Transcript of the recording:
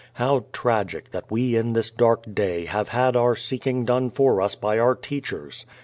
How tragic that we in this dark day have had our seeking done for us by our teachers.